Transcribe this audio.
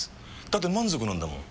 だって満足なんだもん。